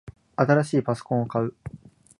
新しいパソコンを買う